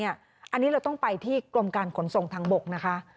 อันนี้เราต้องไปที่กรมการขนส่งทางบกนะคะ